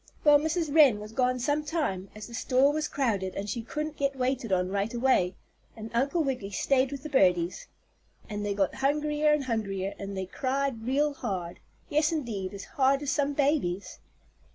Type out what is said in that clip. Well, Mrs. Wren was gone some time, as the store was crowded and she couldn't get waited on right away, and Uncle Wiggily stayed with the birdies. And they got hungrier and hungrier, and they cried real hard. Yes, indeed, as hard as some babies.